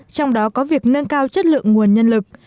trong đó có việc nâng cao chất lượng nguồn nhân lực